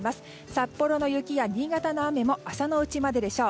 札幌の雪や新潟の雨も朝のうちまででしょう。